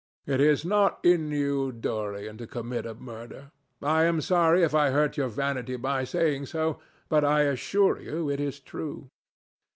It is not in you, Dorian, to commit a murder. I am sorry if I hurt your vanity by saying so, but I assure you it is true.